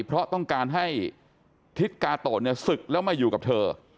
เพราะต้องการให้ทิศกาโตะเนี่ยศึกแล้วมาอยู่กับเธอ